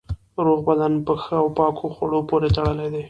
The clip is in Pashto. روغ بدن په ښه او پاکو خوړو پورې تړلی دی.